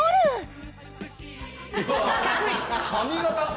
髪形！